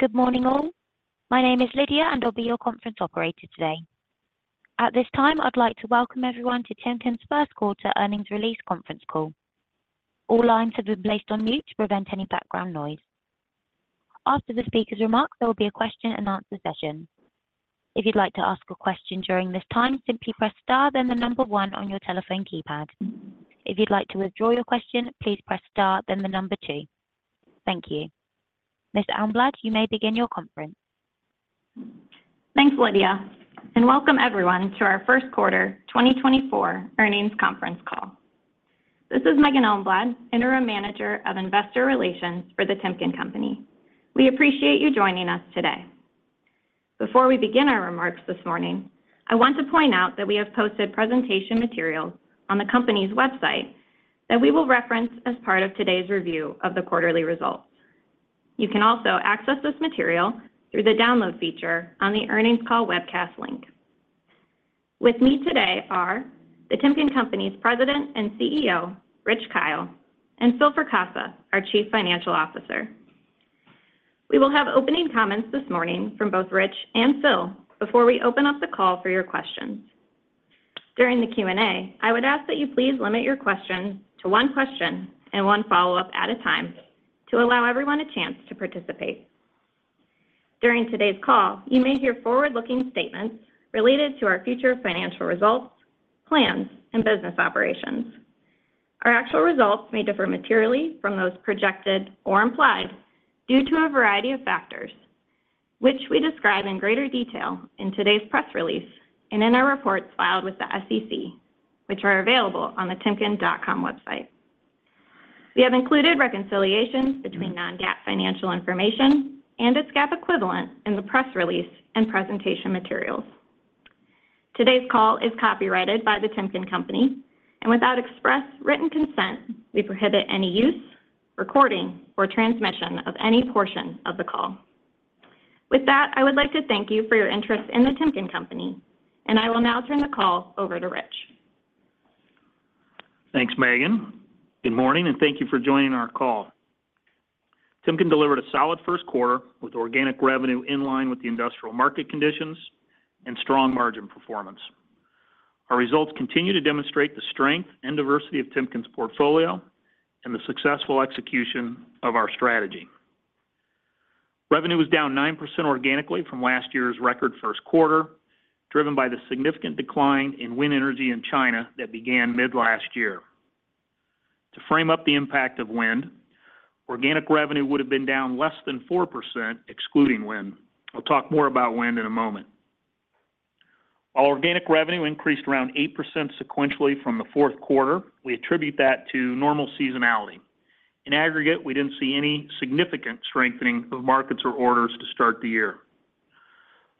Good morning, all. My name is Lydia, and I'll be your conference operator today. At this time, I'd like to welcome everyone to Timken's first quarter earnings release conference call. All lines have been placed on mute to prevent any background noise. After the speaker's remarks, there will be a question-and-answer session. If you'd like to ask a question during this time, simply press Star, then the number one on your telephone keypad. If you'd like to withdraw your question, please press Star, then the number two. Thank you. Ms. Elmblad, you may begin your conference. Thanks, Lydia, and welcome everyone to our first quarter 2024 earnings conference call. This is Meghan Elmblad, Interim Manager of investor relations for The Timken Company. We appreciate you joining us today. Before we begin our remarks this morning, I want to point out that we have posted presentation materials on the company's website that we will reference as part of today's review of the quarterly results. You can also access this material through the Download feature on the Earnings Call Webcast link. With me today are The Timken Company's President and CEO, Rich Kyle, and Phil Fracassa, our Chief Financial Officer. We will have opening comments this morning from both Rich and Phil before we open up the call for your questions. During the Q&A, I would ask that you please limit your questions to one question and one follow-up at a time to allow everyone a chance to participate. During today's call, you may hear forward-looking statements related to our future financial results, plans, and business operations. Our actual results may differ materially from those projected or implied due to a variety of factors, which we describe in greater detail in today's press release and in our reports filed with the SEC, which are available on the timken.com website. We have included reconciliations between non-GAAP financial information and its GAAP equivalent in the press release and presentation materials. Today's call is copyrighted by The Timken Company, and without express written consent, we prohibit any use, recording, or transmission of any portion of the call. With that, I would like to thank you for your interest in The Timken Company, and I will now turn the call over to Rich. Thanks, Meghan. Good morning and thank you for joining our call. Timken delivered a solid first quarter with organic revenue in line with the industrial market conditions and strong margin performance. Our results continue to demonstrate the strength and diversity of Timken's portfolio and the successful execution of our strategy. Revenue was down 9% organically from last year's record first quarter, driven by the significant decline in wind energy in China that began mid-last year. To frame up the impact of wind, organic revenue would have been down less than 4%, excluding wind. I'll talk more about wind in a moment. While organic revenue increased around 8% sequentially from the fourth quarter, we attribute that to normal seasonality. In aggregate, we didn't see any significant strengthening of markets or orders to start the year.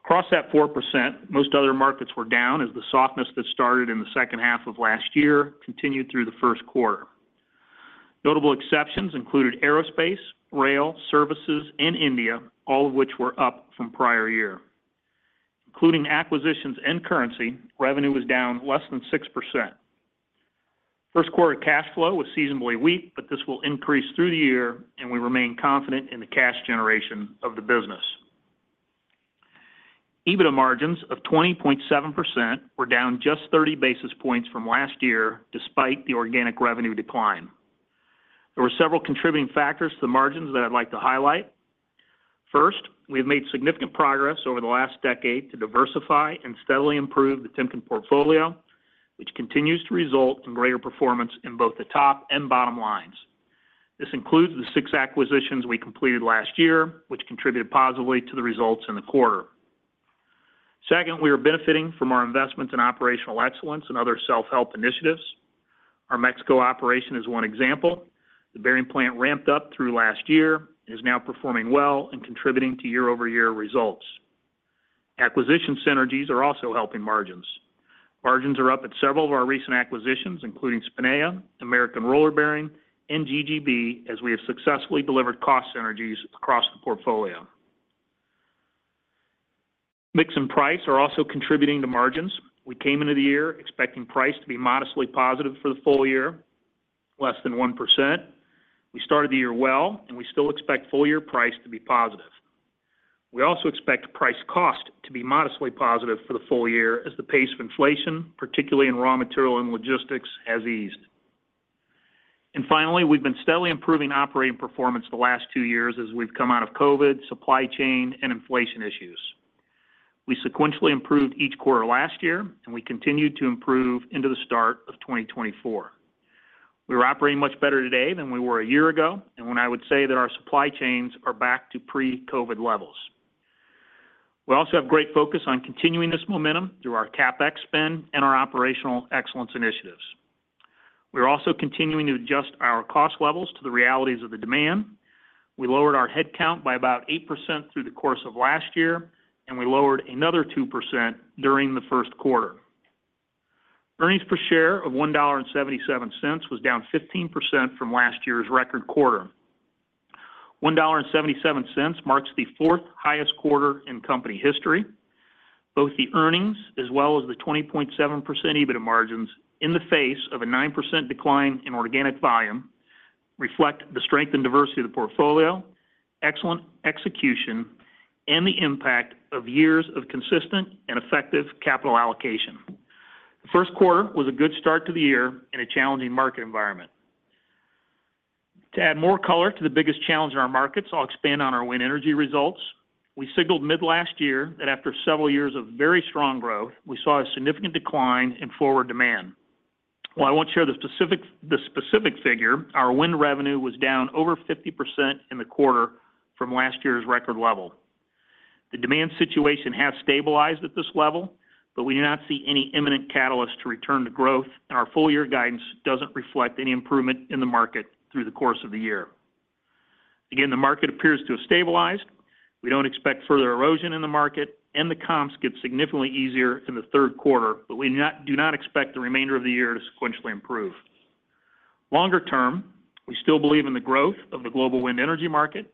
Across that 4%, most other markets were down as the softness that started in the second half of last year continued through the first quarter. Notable exceptions included aerospace, rail, services, and India, all of which were up from prior year. Including acquisitions and currency, revenue was down less than 6%. First quarter cash flow was seasonally weak, but this will increase through the year, and we remain confident in the cash generation of the business. EBITDA margins of 20.7% were down just 30 basis points from last year, despite the organic revenue decline. There were several contributing factors to the margins that I'd like to highlight. First, we have made significant progress over the last decade to diversify and steadily improve the Timken portfolio, which continues to result in greater performance in both the top and bottom lines. This includes the six acquisitions we completed last year, which contributed positively to the results in the quarter. Second, we are benefiting from our investments in operational excellence and other self-help initiatives. Our Mexico operation is one example. The bearing plant ramped up through last year and is now performing well and contributing to year-over-year results. Acquisition synergies are also helping margins. Margins are up at several of our recent acquisitions, including Spinea, American Roller Bearing, and GGB, as we have successfully delivered cost synergies across the portfolio. Mix and price are also contributing to margins. We came into the year expecting price to be modestly positive for the full year, less than 1%. We started the year well, and we still expect full year price to be positive. We also expect price cost to be modestly positive for the full year as the pace of inflation, particularly in raw material and logistics, has eased. And finally, we've been steadily improving operating performance the last two years as we've come out of COVID, supply chain, and inflation issues. We sequentially improved each quarter last year, and we continued to improve into the start of 2024. We are operating much better today than we were a year ago, and when I would say that our supply chains are back to pre-COVID levels. We also have great focus on continuing this momentum through our CapEx spend and our operational excellence initiatives. We are also continuing to adjust our cost levels to the realities of the demand. We lowered our headcount by about 8% through the course of last year, and we lowered another 2% during the first quarter. Earnings per share of $1.77 was down 15% from last year's record quarter. $1.77 marks the fourth highest quarter in company history. Both the earnings, as well as the 20.7% EBITDA margins in the face of a 9% decline in organic volume, reflect the strength and diversity of the portfolio, excellent execution, and the impact of years of consistent and effective capital allocation. The first quarter was a good start to the year in a challenging market environment. To add more color to the biggest challenge in our markets, I'll expand on our wind energy results. We signaled mid last year that after several years of very strong growth, we saw a significant decline in forward demand. While I won't share the specific figure, our wind revenue was down over 50% in the quarter from last year's record level. The demand situation has stabilized at this level, but we do not see any imminent catalyst to return to growth, and our full year guidance doesn't reflect any improvement in the market through the course of the year. Again, the market appears to have stabilized. We don't expect further erosion in the market, and the comps get significantly easier in the third quarter, but we do not expect the remainder of the year to sequentially improve. Longer term, we still believe in the growth of the global wind energy market,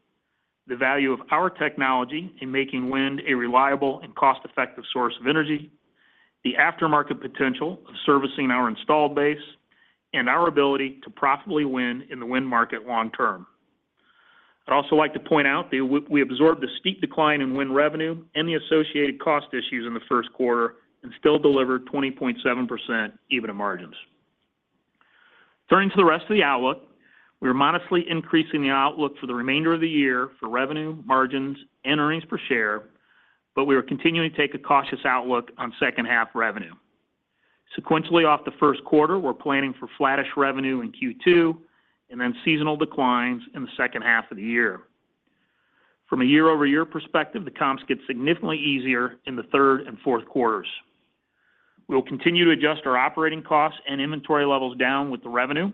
the value of our technology in making wind a reliable and cost-effective source of energy, the aftermarket potential of servicing our installed base, and our ability to profitably win in the wind market long term. I'd also like to point out that we absorbed a steep decline in wind revenue and the associated cost issues in the first quarter and still delivered 20.7% EBITDA margins. Turning to the rest of the outlook, we are modestly increasing the outlook for the remainder of the year for revenue, margins, and earnings per share, but we are continuing to take a cautious outlook on second half revenue. Sequentially off the first quarter, we're planning for flattish revenue in Q2, and then seasonal declines in the second half of the year. From a year-over-year perspective, the comps get significantly easier in the third and fourth quarters. We will continue to adjust our operating costs and inventory levels down with the revenue.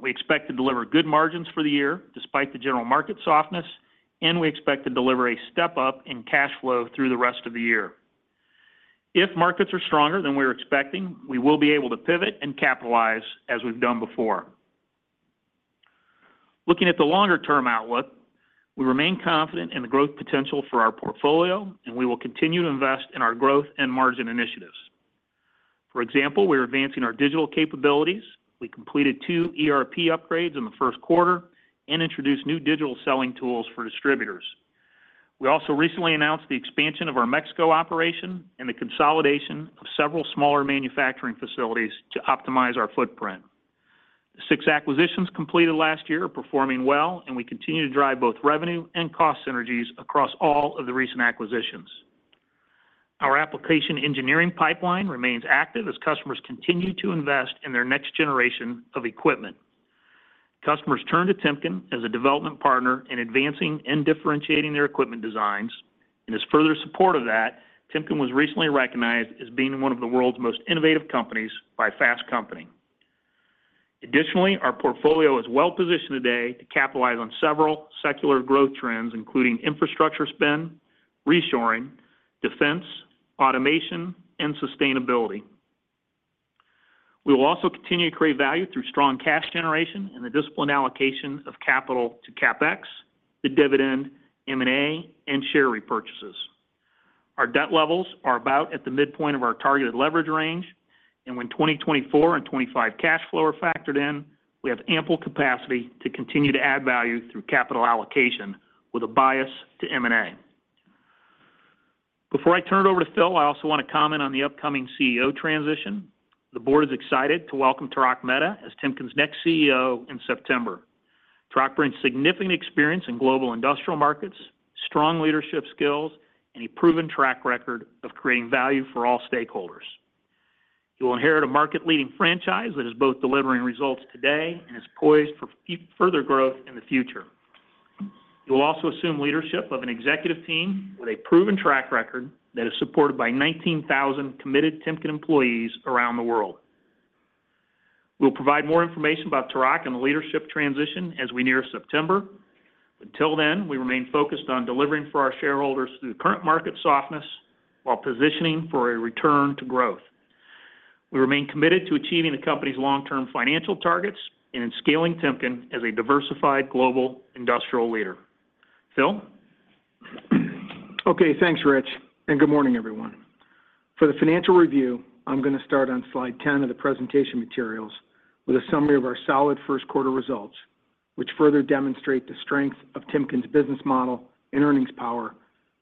We expect to deliver good margins for the year, despite the general market softness, and we expect to deliver a step-up in cash flow through the rest of the year. If markets are stronger than we're expecting, we will be able to pivot and capitalize as we've done before. Looking at the longer-term outlook, we remain confident in the growth potential for our portfolio, and we will continue to invest in our growth and margin initiatives. For example, we are advancing our digital capabilities. We completed two ERP upgrades in the first quarter and introduced new digital selling tools for distributors. We also recently announced the expansion of our Mexico operation and the consolidation of several smaller manufacturing facilities to optimize our footprint. Six acquisitions completed last year are performing well, and we continue to drive both revenue and cost synergies across all of the recent acquisitions. Our application engineering pipeline remains active as customers continue to invest in their next generation of equipment. Customers turn to Timken as a development partner in advancing and differentiating their equipment designs, and as further support of that, Timken was recently recognized as being one of the world's most innovative companies by Fast Company. Additionally, our portfolio is well positioned today to capitalize on several secular growth trends, including infrastructure spend, reshoring, defense, automation, and sustainability. We will also continue to create value through strong cash generation and the disciplined allocation of capital to CapEx, the dividend, M&A, and share repurchases. Our debt levels are about at the midpoint of our targeted leverage range, and when 2024 and 2025 cash flow are factored in, we have ample capacity to continue to add value through capital allocation with a bias to M&A. Before I turn it over to Phil, I also want to comment on the upcoming CEO transition. The board is excited to welcome Tarak Mehta as Timken's next CEO in September. Tarak brings significant experience in global industrial markets, strong leadership skills, and a proven track record of creating value for all stakeholders. He will inherit a market-leading franchise that is both delivering results today and is poised for further growth in the future. He will also assume leadership of an executive team with a proven track record that is supported by 19,000 committed Timken employees around the world. We'll provide more information about Tarak and the leadership transition as we near September. Until then, we remain focused on delivering for our shareholders through the current market softness while positioning for a return to growth. We remain committed to achieving the company's long-term financial targets and in scaling Timken as a diversified global industrial leader. Phil? Okay, thanks, Rich, and good morning, everyone. For the financial review, I'm gonna start on slide 10 of the presentation materials with a summary of our solid first quarter results, which further demonstrate the strength of Timken's business model and earnings power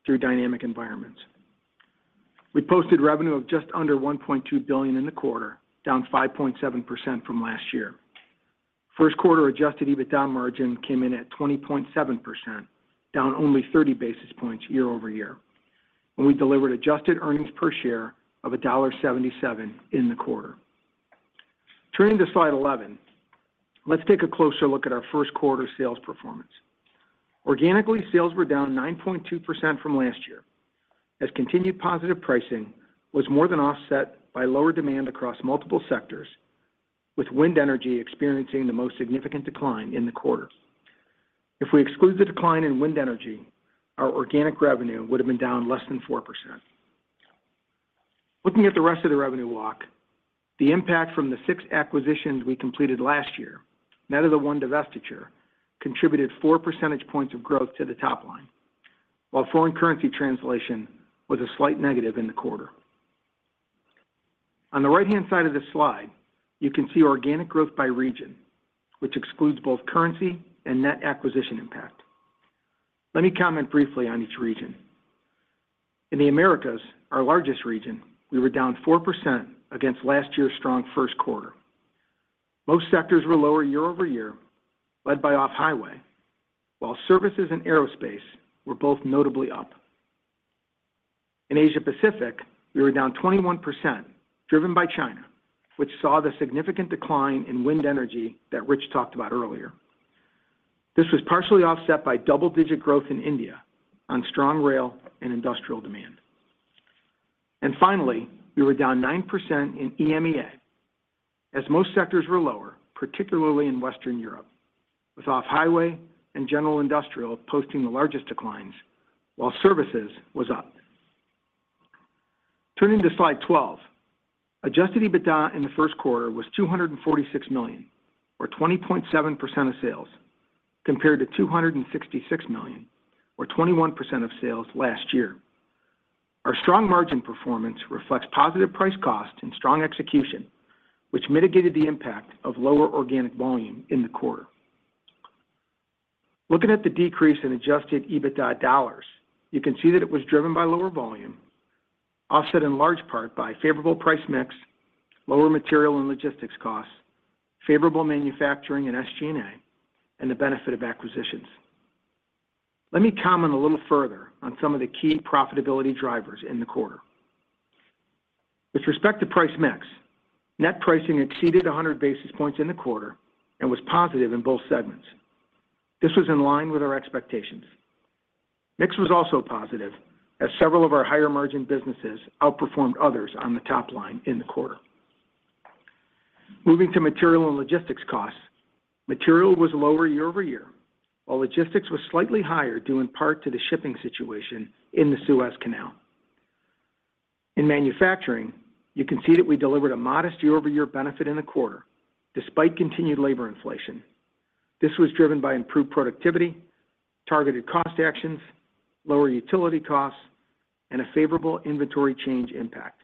through dynamic environments. We posted revenue of just under $1.2 billion in the quarter, down 5.7% from last year. First quarter adjusted EBITDA margin came in at 20.7%, down only 30 basis points year-over-year, and we delivered adjusted earnings per share of $1.77 in the quarter. Turning to slide 11, let's take a closer look at our first quarter sales performance. Organically, sales were down 9.2% from last year, as continued positive pricing was more than offset by lower demand across multiple sectors, with wind energy experiencing the most significant decline in the quarter. If we exclude the decline in wind energy, our organic revenue would have been down less than 4%.... Looking at the rest of the revenue walk, the impact from the 6 acquisitions we completed last year, net of the one divestiture, contributed four percentage points of growth to the top line, while foreign currency translation was a slight negative in the quarter. On the right-hand side of this slide, you can see organic growth by region, which excludes both currency and net acquisition impact. Let me comment briefly on each region. In the Americas, our largest region, we were down 4% against last year's strong first quarter. Most sectors were lower year over year, led by off-highway, while services and aerospace were both notably up. In Asia Pacific, we were down 21%, driven by China, which saw the significant decline in wind energy that Rich talked about earlier. This was partially offset by double-digit growth in India on strong rail and industrial demand. And finally, we were down 9% in EMEA, as most sectors were lower, particularly in Western Europe, with off-highway and general industrial posting the largest declines, while services was up. Turning to slide 12. Adjusted EBITDA in the first quarter was $246 million, or 20.7% of sales, compared to $266 million, or 21% of sales last year. Our strong margin performance reflects positive price cost and strong execution, which mitigated the impact of lower organic volume in the quarter. Looking at the decrease in adjusted EBITDA dollars, you can see that it was driven by lower volume, offset in large part by favorable price mix, lower material and logistics costs, favorable manufacturing and SG&A, and the benefit of acquisitions. Let me comment a little further on some of the key profitability drivers in the quarter. With respect to price mix, net pricing exceeded 100 basis points in the quarter and was positive in both segments. This was in line with our expectations. Mix was also positive, as several of our higher margin businesses outperformed others on the top line in the quarter. Moving to material and logistics costs, material was lower year-over-year, while logistics was slightly higher, due in part to the shipping situation in the Suez Canal. In manufacturing, you can see that we delivered a modest year-over-year benefit in the quarter, despite continued labor inflation. This was driven by improved productivity, targeted cost actions, lower utility costs, and a favorable inventory change impact.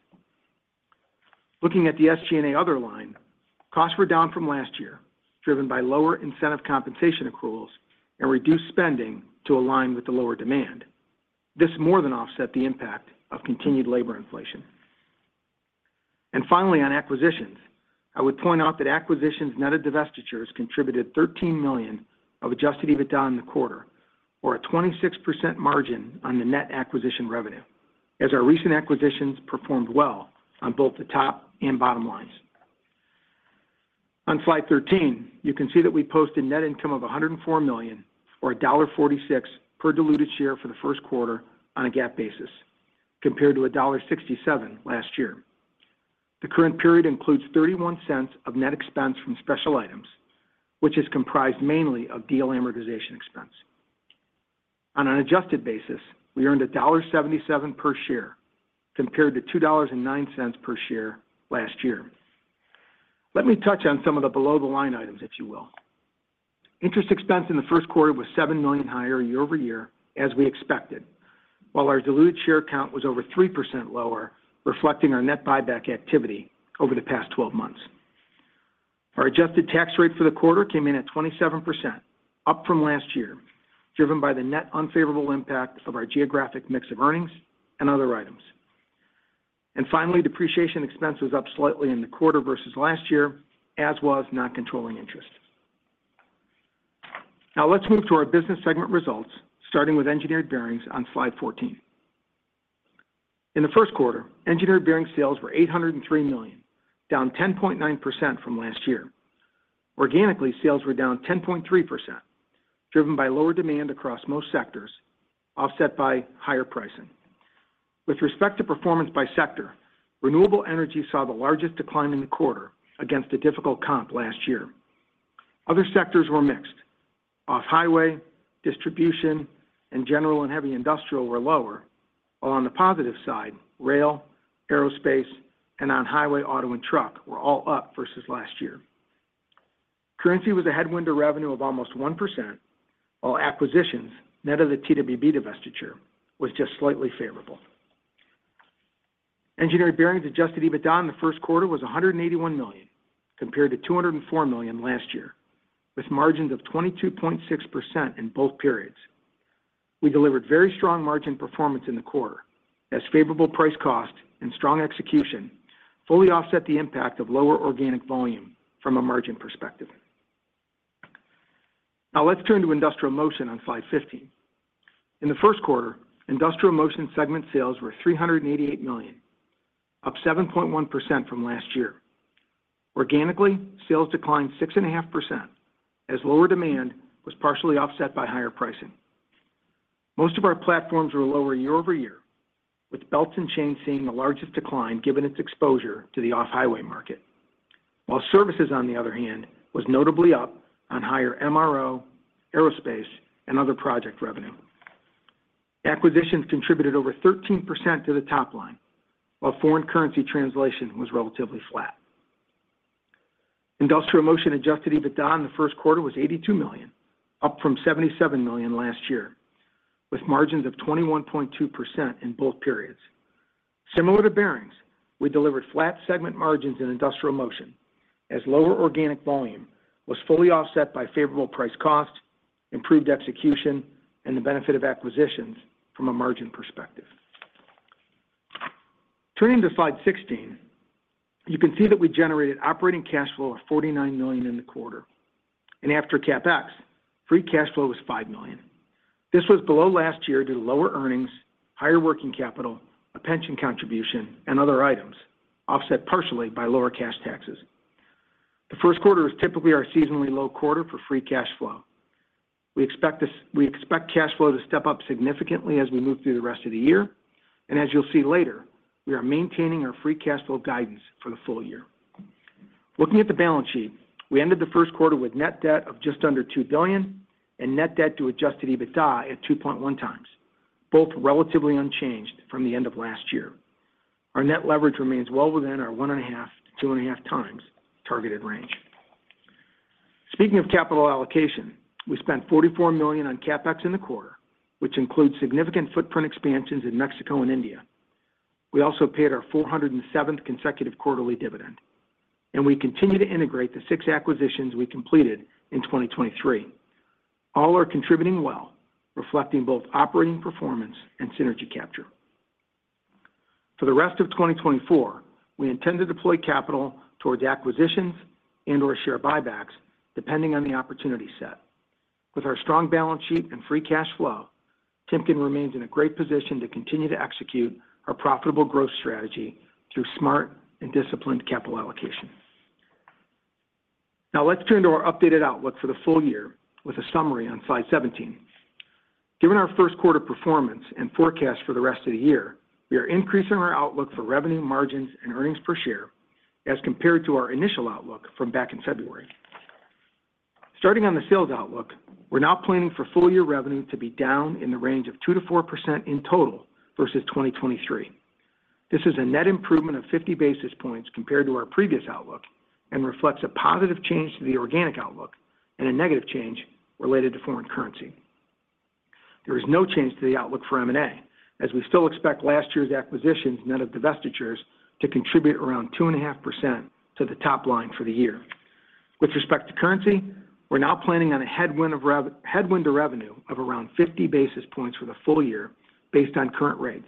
Looking at the SG&A other line, costs were down from last year, driven by lower incentive compensation accruals and reduced spending to align with the lower demand. This more than offset the impact of continued labor inflation. And finally, on acquisitions, I would point out that acquisitions net of divestitures contributed $13 million of adjusted EBITDA in the quarter, or a 26% margin on the net acquisition revenue, as our recent acquisitions performed well on both the top and bottom lines. On Slide 13, you can see that we posted net income of $104 million, or $1.46 per diluted share for the first quarter on a GAAP basis, compared to $1.67 last year. The current period includes $0.31 of net expense from special items, which is comprised mainly of deal amortization expense. On an adjusted basis, we earned $1.77 per share, compared to $2.09 per share last year. Let me touch on some of the below-the-line items, if you will. Interest expense in the first quarter was $7 million higher year-over-year, as we expected, while our diluted share count was over 3% lower, reflecting our net buyback activity over the past 12 months. Our adjusted tax rate for the quarter came in at 27%, up from last year, driven by the net unfavorable impact of our geographic mix of earnings and other items. Finally, depreciation expense was up slightly in the quarter versus last year, as was non-controlling interest. Now let's move to our business segment results, starting with Engineered Bearings on slide 14. In the first quarter, Engineered Bearings sales were $803 million, down 10.9% from last year. Organically, sales were down 10.3%, driven by lower demand across most sectors, offset by higher pricing. With respect to performance by sector, renewable energy saw the largest decline in the quarter against a difficult comp last year. Other sectors were mixed. Off-highway, distribution, and general and heavy industrial were lower, while on the positive side, rail, aerospace, and on-highway, auto, and truck were all up versus last year. Currency was a headwind to revenue of almost 1%, while acquisitions, net of the TWB divestiture, was just slightly favorable. Engineered Bearings adjusted EBITDA in the first quarter was $181 million, compared to $204 million last year, with margins of 22.6% in both periods. We delivered very strong margin performance in the quarter, as favorable price cost and strong execution fully offset the impact of lower organic volume from a margin perspective. Now let's turn to Industrial Motion on slide 15. In the first quarter, Industrial Motion segment sales were $388 million, up 7.1% from last year. Organically, sales declined 6.5%, as lower demand was partially offset by higher pricing. Most of our platforms were lower year-over-year, with belts and chains seeing the largest decline, given its exposure to the off-highway market. While services, on the other hand, was notably up on higher MRO, aerospace, and other project revenue. Acquisitions contributed over 13% to the top line, while foreign currency translation was relatively flat. Industrial motion adjusted EBITDA in the first quarter was $82 million, up from $77 million last year, with margins of 21.2% in both periods. Similar to bearings, we delivered flat segment margins in industrial motion, as lower organic volume was fully offset by favorable price cost, improved execution, and the benefit of acquisitions from a margin perspective. Turning to slide 16, you can see that we generated operating cash flow of $49 million in the quarter, and after CapEx, free cash flow was $5 million. This was below last year due to lower earnings, higher working capital, a pension contribution, and other items, offset partially by lower cash taxes. The first quarter is typically our seasonally low quarter for free cash flow. We expect cash flow to step up significantly as we move through the rest of the year, and as you'll see later, we are maintaining our free cash flow guidance for the full year. Looking at the balance sheet, we ended the first quarter with net debt of just under $2 billion and net debt to adjusted EBITDA at 2.1x, both relatively unchanged from the end of last year. Our net leverage remains well within our 1.5-2.5x targeted range. Speaking of capital allocation, we spent $44 million on CapEx in the quarter, which includes significant footprint expansions in Mexico and India. We also paid our 407th consecutive quarterly dividend, and we continue to integrate the sic acquisitions we completed in 2023. All are contributing well, reflecting both operating performance and synergy capture. For the rest of 2024, we intend to deploy capital towards acquisitions and/or share buybacks, depending on the opportunity set. With our strong balance sheet and free cash flow, Timken remains in a great position to continue to execute our profitable growth strategy through smart and disciplined capital allocation. Now, let's turn to our updated outlook for the full year with a summary on slide 17. Given our first quarter performance and forecast for the rest of the year, we are increasing our outlook for revenue margins and earnings per share as compared to our initial outlook from back in February. Starting on the sales outlook, we're now planning for full-year revenue to be down in the range of 2%-4% in total versus 2023. This is a net improvement of 50 basis points compared to our previous outlook and reflects a positive change to the organic outlook and a negative change related to foreign currency. There is no change to the outlook for M&A, as we still expect last year's acquisitions, net of divestitures, to contribute around 2.5% to the top line for the year. With respect to currency, we're now planning on a headwind to revenue of around 50 basis points for the full year based on current rates,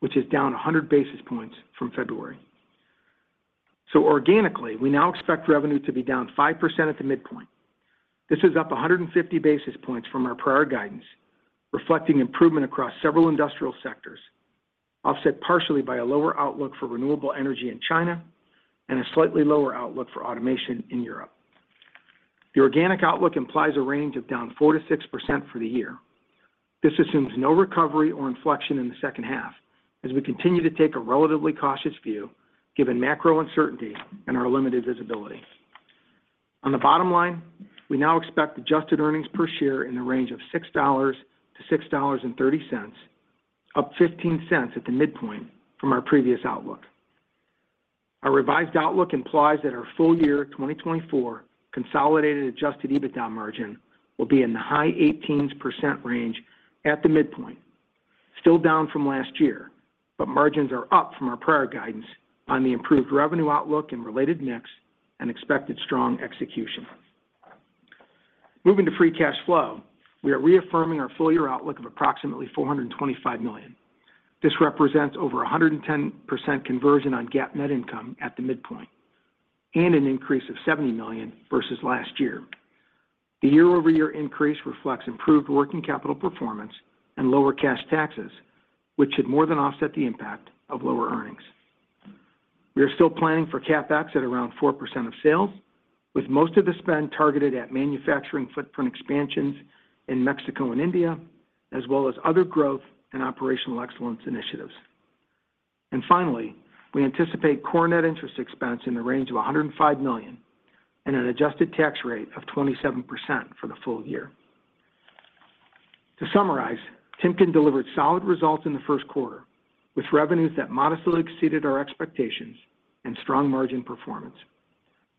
which is down 100 basis points from February. So organically, we now expect revenue to be down 5% at the midpoint. This is up 150 basis points from our prior guidance, reflecting improvement across several industrial sectors, offset partially by a lower outlook for renewable energy in China and a slightly lower outlook for automation in Europe. The organic outlook implies a range of down 4%-6% for the year. This assumes no recovery or inflection in the second half, as we continue to take a relatively cautious view, given macro uncertainties and our limited visibility. On the bottom line, we now expect adjusted earnings per share in the range of $6-$6.30, up 15 cents at the midpoint from our previous outlook. Our revised outlook implies that our full year 2024 consolidated Adjusted EBITDA margin will be in the high 18s% range at the midpoint, still down from last year, but margins are up from our prior guidance on the improved revenue outlook and related mix and expected strong execution. Moving to free cash flow, we are reaffirming our full-year outlook of approximately $425 million. This represents over 110% conversion on GAAP net income at the midpoint and an increase of $70 million versus last year. The year-over-year increase reflects improved working capital performance and lower cash taxes, which should more than offset the impact of lower earnings. We are still planning for CapEx at around 4% of sales, with most of the spend targeted at manufacturing footprint expansions in Mexico and India, as well as other growth and operational excellence initiatives. And finally, we anticipate core net interest expense in the range of $105 million and an adjusted tax rate of 27% for the full year. To summarize, Timken delivered solid results in the first quarter, with revenues that modestly exceeded our expectations and strong margin performance.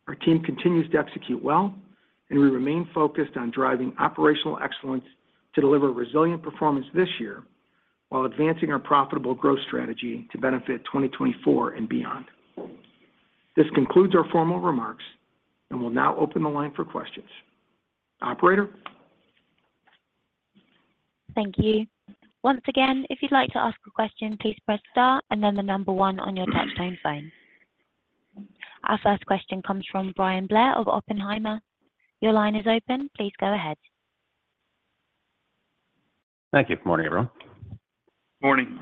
Our team continues to execute well, and we remain focused on driving operational excellence to deliver resilient performance this year while advancing our profitable growth strategy to benefit 2024 and beyond. This concludes our formal remarks, and we'll now open the line for questions. Operator? Thank you. Once again, if you'd like to ask a question, please press star and then the number one on your touchtone phone. Our first question comes from Bryan Blair of Oppenheimer. Your line is open. Please go ahead. Thank you. Good morning, everyone. Morning.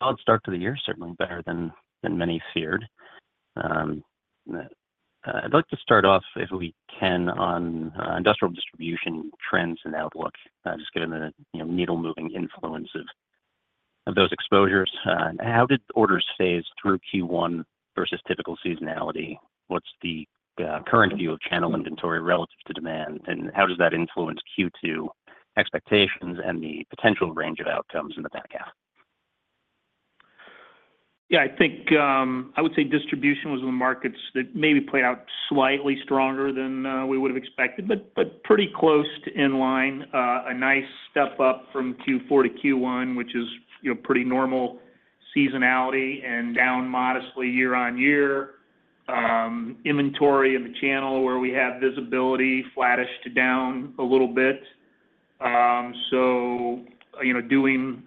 Solid start to the year, certainly better than many feared. I'd like to start off, if we can, on industrial distribution trends and outlook, just given the, you know, needle-moving influence of those exposures. How did orders phase through Q1 versus typical seasonality? What's the current view of channel inventory relative to demand? And how does that influence Q2 expectations and the potential range of outcomes in the back half? Yeah, I think I would say distribution was the markets that maybe played out slightly stronger than we would have expected, but pretty close to in line. A nice step up from Q4 to Q1, which is, you know, pretty normal seasonality and down modestly year-on-year. Inventory in the channel where we have visibility, flattish to down a little bit. So, you know, doing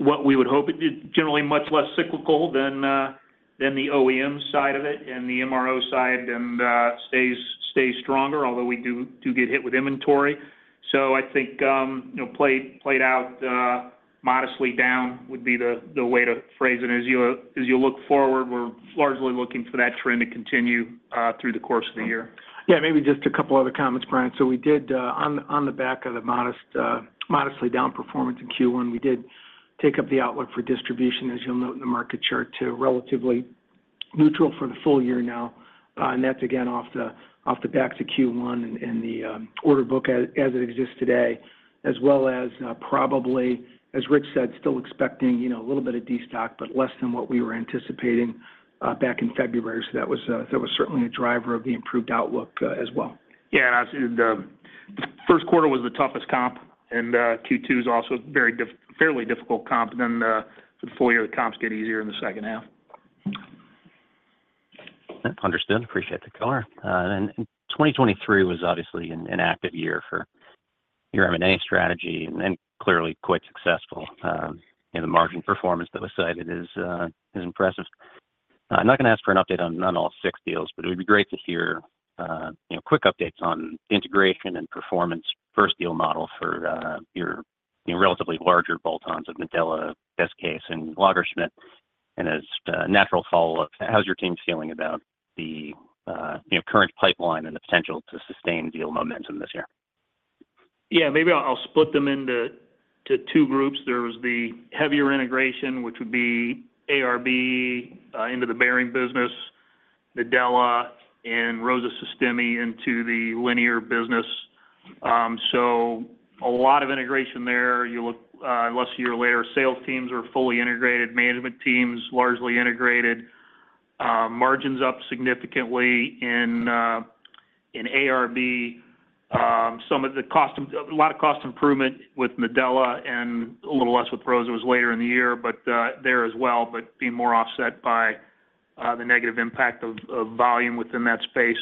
what we would hope it did, generally much less cyclical than the OEM side of it and the MRO side, and stays stronger, although we do get hit with inventory. So I think, you know, played out modestly down would be the way to phrase it. As you look forward, we're largely looking for that trend to continue through the course of the year. Yeah, maybe just a couple of other comments, Brian. So we did, on the back of the modest, modestly down performance in Q1, we did take up the outlook for distribution, as you'll note in the market chart, to relatively neutral for the full year now. And that's again, off the back of Q1 and the order book as it exists today, as well as, probably, as Rich said, still expecting, you know, a little bit of destock, but less than what we were anticipating, back in February. So that was certainly a driver of the improved outlook, as well. Yeah, and first quarter was the toughest comp, and Q2 is also fairly difficult comp, then the full year comps get easier in the second half. Understood. Appreciate the color. And then 2023 was obviously an active year for your M&A strategy and clearly quite successful. And the margin performance that was cited is impressive. I'm not going to ask for an update on all six deals, but it would be great to hear you know, quick updates on integration and performance, first deal model for your you know, relatively larger bolt-ons of Nadella, Des-Case, and Lagersmit. And as a natural follow-up, how's your team feeling about the current pipeline and the potential to sustain deal momentum this year? Yeah, maybe I'll split them into two groups. There was the heavier integration, which would be ARB into the bearing business, Nadella, and Rosa Sistemi into the linear business. So a lot of integration there. You look a year later, sales teams are fully integrated, management teams largely integrated. Margins up significantly in ARB. Some of the cost, a lot of cost improvement with Nadella and a little less with Rosa, was later in the year, but there as well, but being more offset by the negative impact of volume within that space.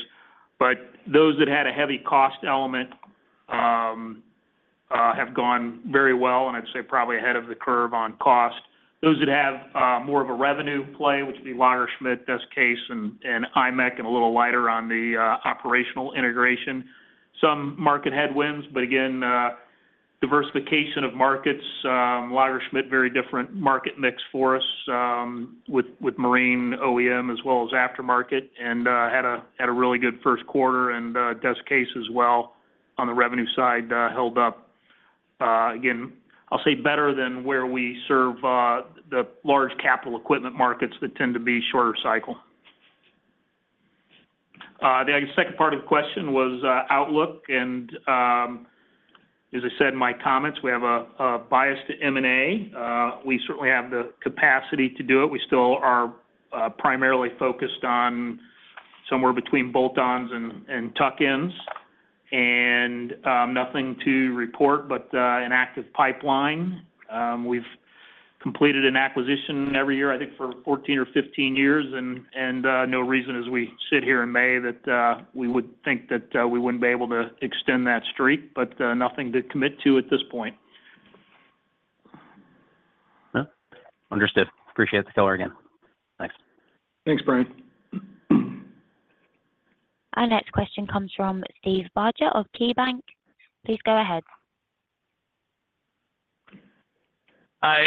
But those that had a heavy cost element have gone very well, and I'd say probably ahead of the curve on cost. Those that have more of a revenue play, which would be Lagersmit, Des-Case, and iMECH, and a little lighter on the operational integration. Some market headwinds, but again, diversification of markets, Lagersmit, very different market mix for us, with marine OEM as well as aftermarket, and had a really good first quarter, and Des-Case as well on the revenue side, held up. Again, I'll say better than where we serve the large capital equipment markets that tend to be shorter cycle. The second part of the question was outlook, and as I said in my comments, we have a bias to M&A. We certainly have the capacity to do it. We still are primarily focused on somewhere between bolt-ons and tuck-ins, and nothing to report, but an active pipeline. We've completed an acquisition every year, I think, for 14 or 15 years, and no reason as we sit here in May, that we wouldn't be able to extend that streak, but nothing to commit to at this point. Understood. Appreciate the color again. Thanks. Thanks, Brian. Our next question comes from Steve Barger of KeyBanc. Please go ahead. Hi,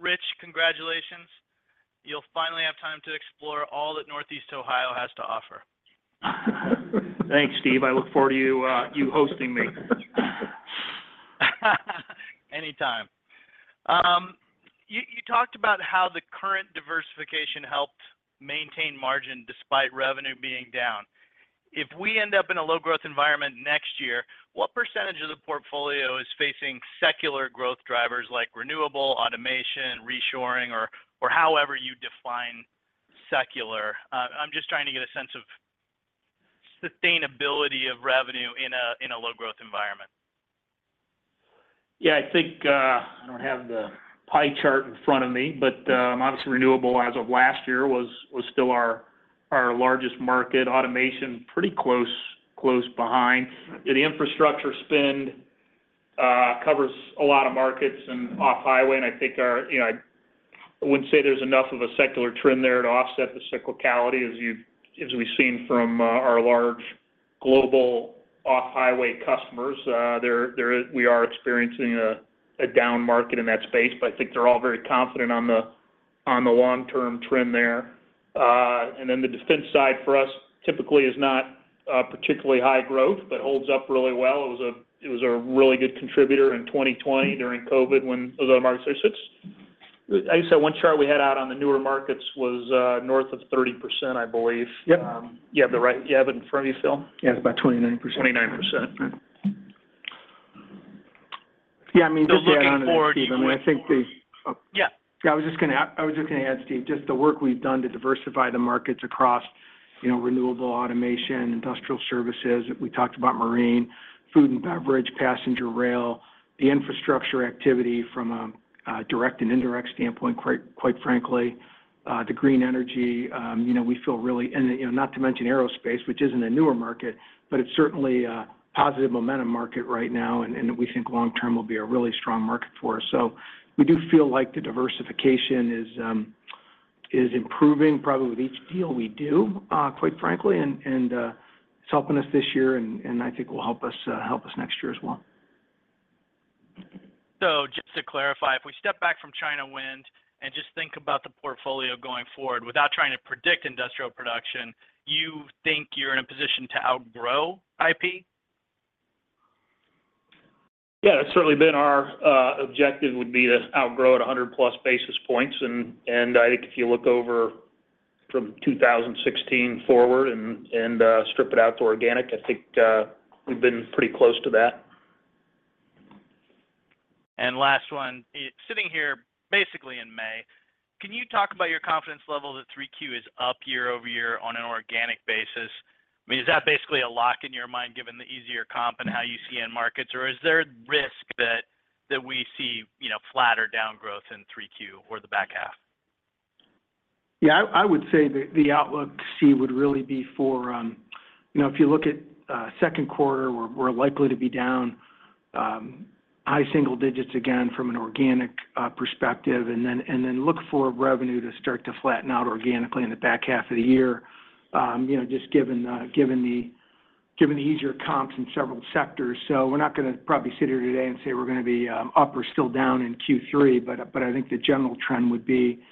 Rich, congratulations. You'll finally have time to explore all that Northeast Ohio has to offer. Thanks, Steve. I look forward to you hosting me. Anytime. You talked about how the current diversification helped maintain margin despite revenue being down. If we end up in a low-growth environment next year, what percentage of the portfolio is facing secular growth drivers like renewable, automation, reshoring, or however you define secular? I'm just trying to get a sense of sustainability of revenue in a low-growth environment. Yeah, I think, I don't have the pie chart in front of me, but, obviously, renewable, as of last year, was, was still our, our largest market. Automation, pretty close, close behind. The infrastructure spend covers a lot of markets and off-highway, and I think our—you know, I wouldn't say there's enough of a secular trend there to offset the cyclicality, as you—as we've seen from, our large, global off-highway customers, there, there is—we are experiencing a, a down market in that space, but I think they're all very confident on the, on the long-term trend there. And then the defense side for us typically is not, particularly high growth, but holds up really well. It was a, it was a really good contributor in 2020 during COVID, when those other markets were 6. I guess that one chart we had out on the newer markets was north of 30%, I believe. Yep. You have it in front of you, Phil? Yeah, it's about 29%. 29%. Yeah, I mean, I think the- Yeah. Yeah, I was just gonna add, Steve, just the work we've done to diversify the markets across, you know, renewable automation, industrial services. We talked about marine, food and beverage, passenger rail, the infrastructure activity from a direct and indirect standpoint, quite frankly, the green energy, you know, we feel really... You know, not to mention aerospace, which isn't a newer market, but it's certainly a positive momentum market right now, and we think long-term will be a really strong market for us. So we do feel like the diversification is improving probably with each deal we do, quite frankly, and it's helping us this year, and I think will help us next year as well. Just to clarify, if we step back from China wind and just think about the portfolio going forward, without trying to predict industrial production, you think you're in a position to outgrow IP? Yeah, that's certainly been our objective would be to outgrow at 100+ basis points, and I think if you look over from 2016 forward and strip it out to organic, I think we've been pretty close to that. Last one. Sitting here, basically in May, can you talk about your confidence level that 3Q is up year-over-year on an organic basis? I mean, is that basically a lock in your mind, given the easier comp and how you see in markets? Or is there risk that we see, you know, flatter down growth in 3Q or the back half? Yeah, I would say the outlook, Steve, would really be for, you know, if you look at second quarter, we're likely to be down high single digits again from an organic perspective, and then look for revenue to start to flatten out organically in the back half of the year, you know, just given the easier comps in several sectors. So we're not gonna probably sit here today and say we're gonna be up or still down in Q3, but I think the general trend would be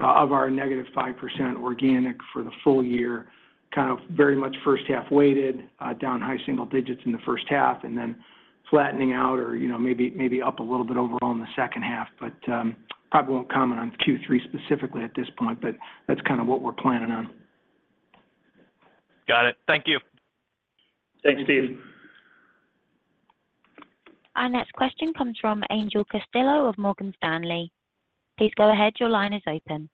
of our negative 5% organic for the full year, kind of very much first half weighted, down high single digits in the first half, and then flattening out or, you know, maybe up a little bit overall in the second half. But, probably won't comment on Q3 specifically at this point, but that's kind of what we're planning on. Got it. Thank you. Thanks, Steve. Our next question comes from Angel Castillo of Morgan Stanley. Please go ahead. Your line is open.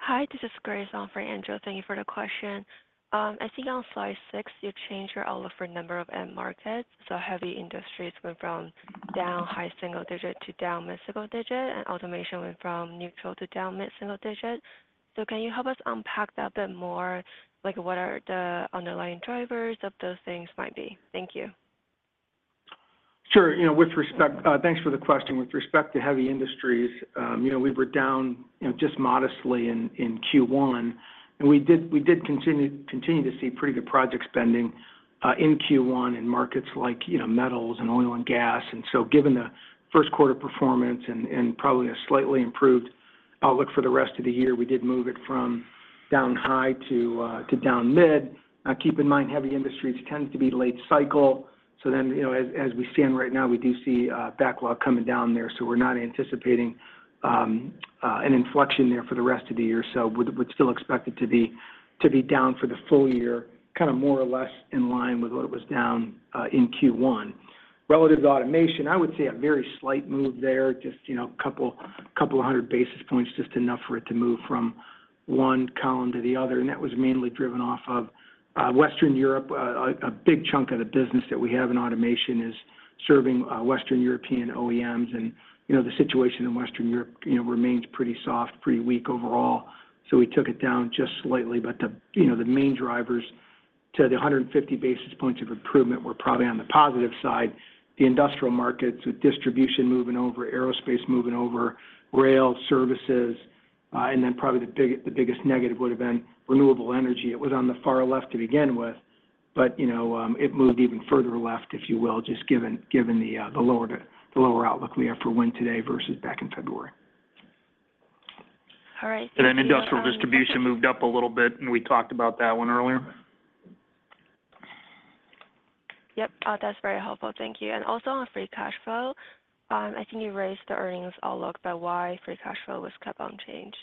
Hi, this is Grace on for Angel. Thank you for the question. I think on slide six, you changed your outlook for number of end markets. So heavy industries went from down high-single-digit to down mid-single-digit, and automation went from neutral to down mid-single-digit. So can you help us unpack that a bit more? Like, what are the underlying drivers of those things might be? Thank you. Sure. You know, with respect, thanks for the question. With respect to heavy industries, you know, we were down, you know, just modestly in Q1, and we did continue to see pretty good project spending in Q1 in markets like, you know, metals and oil and gas. And so given the first quarter performance and probably a slightly improved outlook for the rest of the year, we did move it from down high to down mid. Keep in mind, heavy industries tend to be late cycle, so then, you know, as we stand right now, we do see backlog coming down there, so we're not anticipating an inflection there for the rest of the year. So we'd still expect it to be down for the full year, kind of more or less in line with what it was down in Q1. Relative to automation, I would say a very slight move there, just, you know, a couple hundred basis points, just enough for it to move from one column to the other. And that was mainly driven off of Western Europe. A big chunk of the business that we have in automation is serving Western European OEMs, and, you know, the situation in Western Europe remains pretty soft, pretty weak overall. So we took it down just slightly. But, you know, the main drivers to the 150 basis points of improvement were probably on the positive side. The industrial markets, with distribution moving over, aerospace moving over, rail, services, and then probably the biggest negative would have been renewable energy. It was on the far left to begin with, but, you know, it moved even further left, if you will, just given the lower outlook we have for wind today versus back in February. All right. And then industrial distribution moved up a little bit, and we talked about that one earlier. Yep. That's very helpful. Thank you. And also on free cash flow, I think you raised the earnings outlook, but why free cash flow was kept unchanged?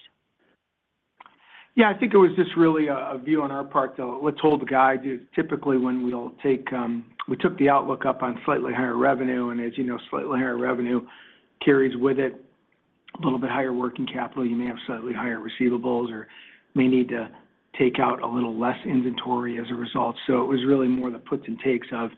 Yeah, I think it was just really a view on our part to let's hold the guide. Typically, when we'll take, we took the outlook up on slightly higher revenue, and as you know, slightly higher revenue carries with it a little bit higher working capital. You may have slightly higher receivables or may need to take out a little less inventory as a result. So it was really more the puts and takes of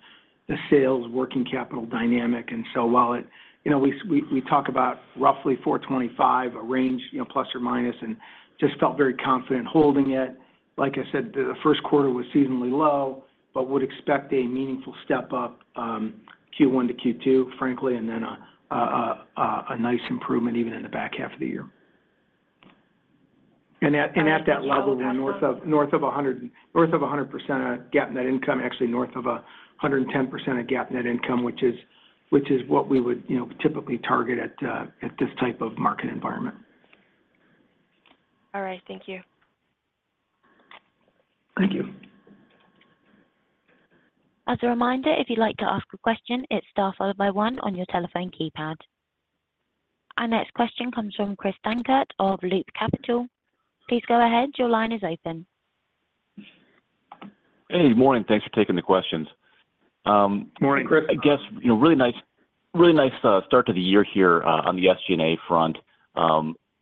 the sales working capital dynamic. And so while it, you know, we talk about roughly $425 million, a range, you know, plus or minus, and just felt very confident holding it. Like I said, the first quarter was seasonally low, but would expect a meaningful step up, Q1 to Q2, frankly, and then a nice improvement even in the back half of the year.... And at that level, we're north of 100% of GAAP net income, actually north of 110% of GAAP net income, which is what we would, you know, typically target at this type of market environment. All right. Thank you. Thank you. As a reminder, if you'd like to ask a question, it's star followed by one on your telephone keypad. Our next question comes from Chris Dankert of Loop Capital. Please go ahead. Your line is open. Hey, good morning. Thanks for taking the questions. Good morning, Chris. I guess, you know, really nice, really nice start to the year here on the SG&A front.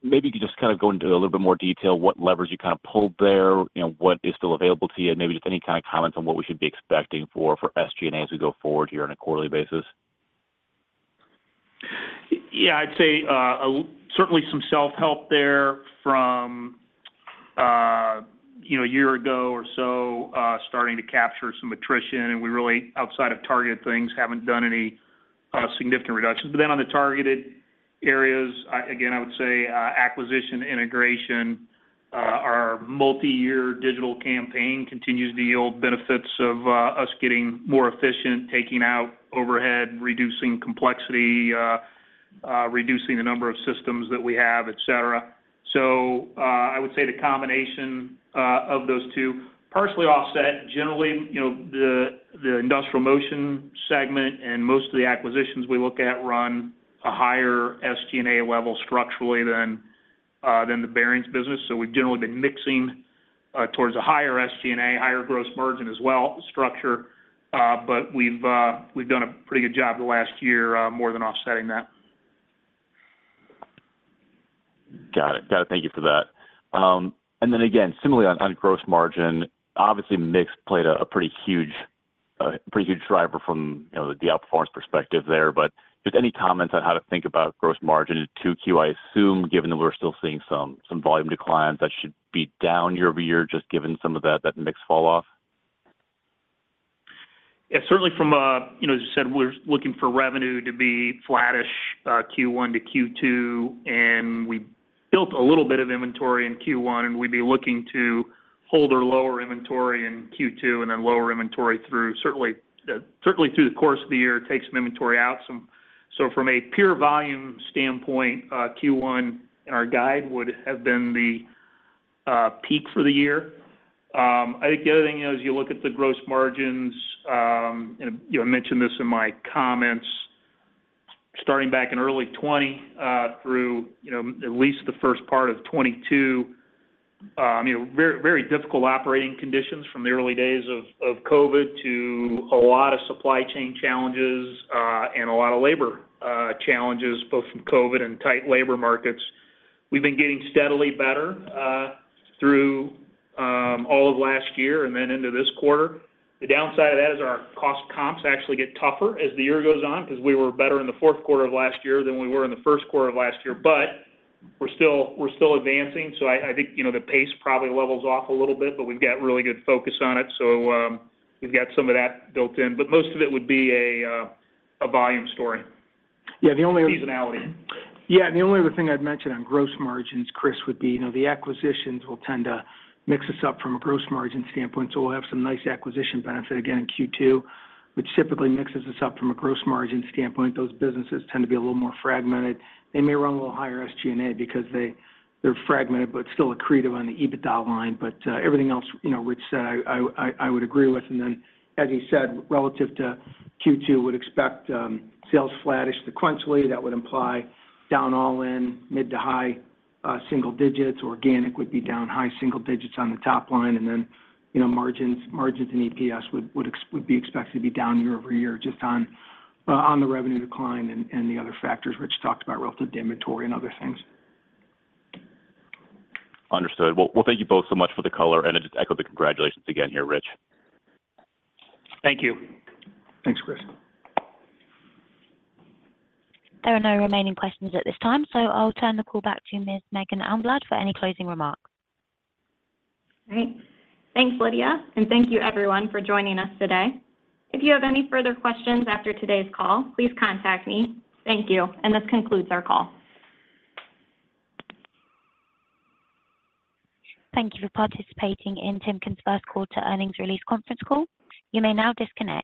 Maybe you could just kind of go into a little bit more detail, what levers you kind of pulled there, you know, what is still available to you, and maybe just any kind of comments on what we should be expecting for SG&A as we go forward here on a quarterly basis. Yeah, I'd say, certainly some self-help there from, you know, a year ago or so, starting to capture some attrition, and we really, outside of targeted things, haven't done any, significant reductions. But then on the targeted areas, again, I would say, acquisition integration, our multiyear digital campaign continues to yield benefits of, us getting more efficient, taking out overhead, reducing complexity, reducing the number of systems that we have, et cetera. So, I would say the combination, of those two partially offset. Generally, you know, the, the Industrial Motion segment and most of the acquisitions we look at run a higher SG&A level structurally than, than the bearings business. So we've generally been mixing, towards a higher SG&A, higher gross margin as well, structure. But we've done a pretty good job the last year, more than offsetting that. Got it. Got it. Thank you for that. And then again, similarly on gross margin, obviously, mix played a pretty huge, pretty huge driver from, you know, the outperformance perspective there, but just any comments on how to think about gross margin in 2Q? I assume, given that we're still seeing some volume declines, that should be down year-over-year, just given some of that mix fall off? Yeah, certainly from a—you know, as you said, we're looking for revenue to be flattish, Q1 to Q2, and we built a little bit of inventory in Q1, and we'd be looking to hold our lower inventory in Q2 and then lower inventory through certainly, certainly through the course of the year, take some inventory out. So from a pure volume standpoint, Q1 and our guide would have been the peak for the year. I think the other thing is, you look at the gross margins, and, you know, I mentioned this in my comments, starting back in early 2020, through, you know, at least the first part of 2022, you know, very, very difficult operating conditions from the early days of COVID to a lot of supply chain challenges, and a lot of labor challenges, both from COVID and tight labor markets. We've been getting steadily better, through all of last year and then into this quarter. The downside of that is our cost comps actually get tougher as the year goes on, because we were better in the fourth quarter of last year than we were in the first quarter of last year. But we're still, we're still advancing. So, I think, you know, the pace probably levels off a little bit, but we've got really good focus on it. So, we've got some of that built in, but most of it would be a volume story. Yeah, the only- Seasonality. Yeah, and the only other thing I'd mention on gross margins, Chris, would be, you know, the acquisitions will tend to mix us up from a gross margin standpoint, so we'll have some nice acquisition benefit again in Q2, which typically mixes us up from a gross margin standpoint. Those businesses tend to be a little more fragmented. They may run a little higher SG&A because they're fragmented, but still accretive on the EBITDA line. But, everything else, you know, which I would agree with, and then, as you said, relative to Q2, would expect sales flattish sequentially. That would imply down all in mid- to high-single digits. Organic would be down high single digits on the top line, and then, you know, margins and EPS would be expected to be down year-over-year, just on the revenue decline and the other factors, which we talked about relative to inventory and other things. Understood. Well, well, thank you both so much for the color, and I just echo the congratulations again here, Rich. Thank you. Thanks, Chris. There are no remaining questions at this time, so I'll turn the call back to Ms. Meghan Elmblad for any closing remarks. Great. Thanks, Lydia, and thank you everyone for joining us today. If you have any further questions after today's call, please contact me. Thank you, and this concludes our call. Thank you for participating in Timken's first quarter earnings release conference call. You may now disconnect.